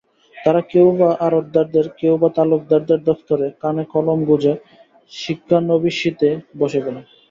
তারা কেউ-বা আড়তদারের, কেউ-বা তালুকদারের দফতরে কানে কলম গুঁজে শিক্ষানবিশিতে বসে গেল।